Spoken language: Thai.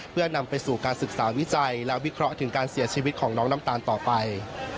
เพื่อนำไปสู่การศึกษาวิจัยและวิเคราะห์ถึงการเสียชีวิตของน้องน้ำตาลต่อไป